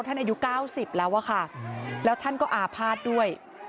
อายุ๙๐แล้วอะค่ะแล้วท่านก็อาภาษณ์ด้วย